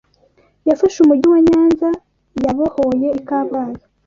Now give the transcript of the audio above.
yafashe Umujyi wa Nyanza yabohoye Kabgayi